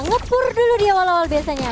nge pure dulu di awal awal biasanya